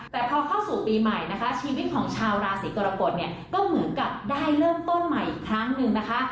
แต่พอเข้าสู่ปีใหม่นะคะชีวิตของชาวราศีกรกฎเนี่ยก็เหมือนกับได้เริ่มต้นใหม่อีกครั้งหนึ่งนะคะ